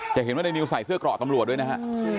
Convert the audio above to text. จะเห็นว่าในนิวใส่เสื้อเกราะตำรวจด้วยนะฮะ